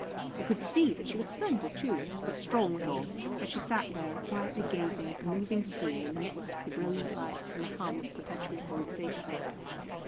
I could see that she was slender, too, but strong withal, as she sat there quietly gazing at the moving scene in the midst of the brilliant lights and the hum of perpetual conversation.